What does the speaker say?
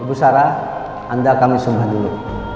ubu sarah anda kami sembah dulu